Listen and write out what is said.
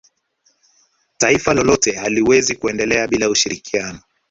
taifa lolote haliwezi kuendelea bila ushirikiano